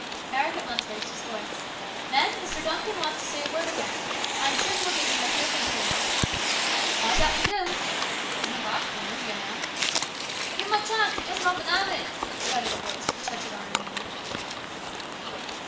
Eric at once raised his voice. " Men, Mr. Dun can wants to say a word again. I am sure you will give him a careful hearing." " Ay, that we will." " He's no bad for a millionaire." " Give him a chance. He doesn't often have it ?" shouted a voice with a touch of irony in it.